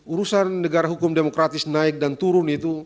urusan negara hukum demokratis naik dan turun itu